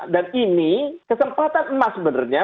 dan ini kesempatan emas sebenarnya